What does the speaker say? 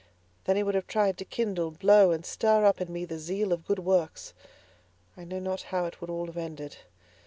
Then he would have tried to kindle, blow and stir up in me the zeal of good works. I know not how it would all have ended.